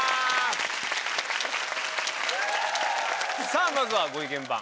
さぁまずはご意見番。